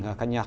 với những cái